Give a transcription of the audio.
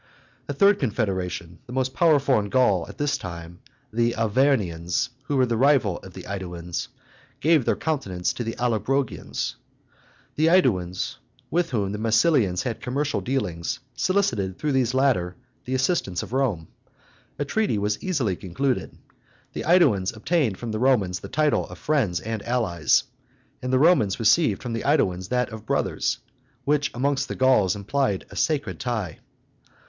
A third confederation, the most powerful in Gaul at this time, the Arvernians, who were rivals of the AEduans, gave their countenance to the Allobrogians. The AEduans, with whom the Massilians had commercial dealings, solicited through these latter the assistance of Rome. A treaty was easily concluded. The AEduans obtained from the Romans the title of friends and allies; and the Romans received from the AEduans that of brothers, which amongst the Gauls implied a sacred tie.